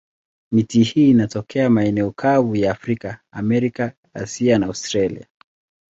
Miti hii inatokea maeneo kavu ya Afrika, Amerika, Asia na Australia.